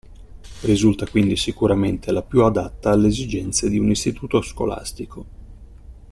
Risulta quindi sicuramente la più adatta alle esigenze di un istituto scolastico.